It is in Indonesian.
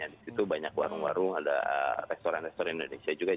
di situ banyak warung warung ada restoran restoran indonesia juga